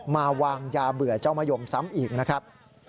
มาวางยาเบื่อเจ้ามะยมซ้ำอีกนะครับ